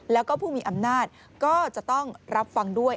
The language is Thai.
แล้วก็ผู้มีอำนาจก็จะต้องรับฟังด้วย